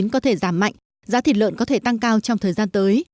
có thể giảm mạnh giá thịt lợn có thể tăng cao trong thời gian tới